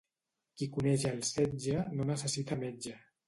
Qui coneix el setge no necessita metge.